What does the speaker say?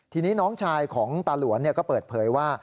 ทีนี้น้องชายของตาหลวนก็เปิดเผยว่า